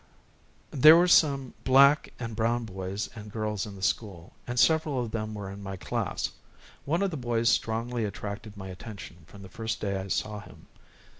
There were some black and brown boys and girls in the school, and several of them were in my class. One of the boys strongly attracted my attention from the first day I saw him.